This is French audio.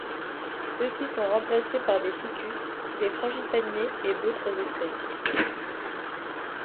Ceux-ci sont remplacés par des ficus, des frangipaniers et d'autres espèces.